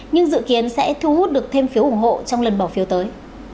nhưng dự kiến sẽ thu hút được thêm phiếu ủng hộ trong lần bỏ phiếu tới